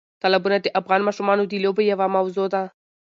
تالابونه د افغان ماشومانو د لوبو یوه موضوع ده.